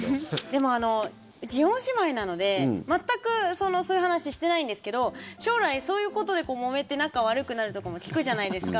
でも、うち４姉妹なので全くそういう話をしてないんですけど将来そういうことでもめて仲悪くなるとかも聞くじゃないですか。